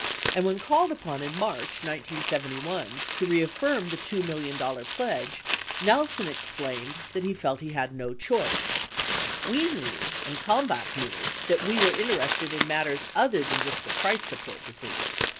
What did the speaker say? And when called upon in March 1971 to reaffirm the $2 million pledge, Nelson explained that he felt he had no choice : We knew, and [Kalmbach] knew that we were interested in matters other than just the price support decision.